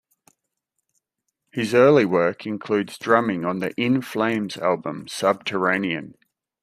His early work includes drumming on the In Flames album "Subterranean".